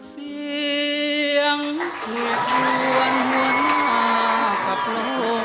เสียงทุกวันหัวหน้ากับลม